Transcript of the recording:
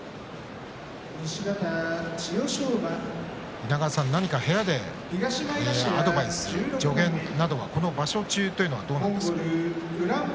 稲川さん、何か部屋でアドバイス、助言などはこの場所中というのはどうですか。